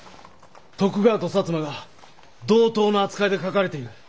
徳川と摩が同等の扱いで書かれている。